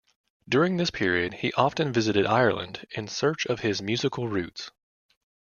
During this period he often visited Ireland in search of his musical roots.